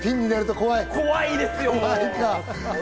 怖いですよ。